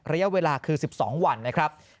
ระยะเวลาคือ๑๒วันนะครับ